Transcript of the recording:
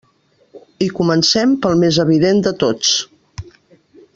I comencem pel més evident de tots.